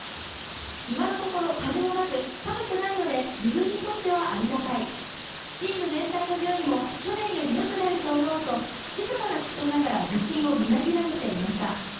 今のところ風もなく寒くないので自分にとってはありがたいチーム全体の順位も去年よりよくなると思うと静かな口調ながら自信をみなぎらせていました。